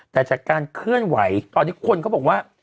แต่จากการเคลื่อนไหวตอนนี้คนเขาบอกว่า